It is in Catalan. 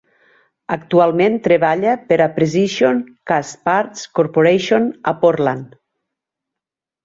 Actualment treballa per a Precision Castparts Corporation a Portland.